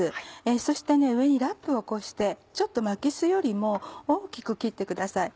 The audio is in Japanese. そして上にラップをこうしてちょっと巻きすよりも大きく切ってください。